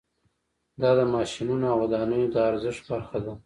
دا د ماشینونو او ودانیو د ارزښت برخه ده